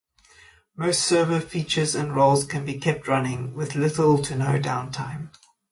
Most server features and roles can be kept running with little to no downtime.